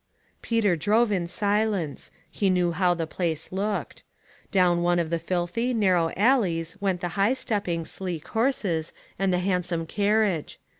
Peter drove in silence. He knew how the place looked. Down one of the filthy, narrow alleys went the high stepping, sleek horses and the handsome carriage.